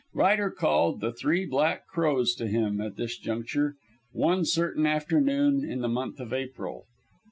Ryder called the Three Black Crows to him at this juncture, one certain afternoon in the month of April.